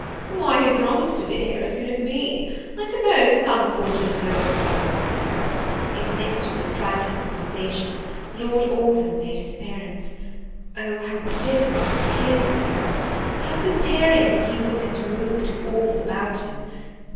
"Why, he promised to be here as soon as me. I suppose he'll come before dinner's over." In the midst of this trifling conversation Lord Orville made his appearance. O how different was his address! how superior did he look and move, to all about him!